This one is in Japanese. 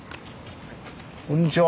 こんにちは。